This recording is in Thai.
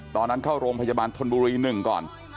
เข้าโรงพยาบาลธนบุรี๑ก่อน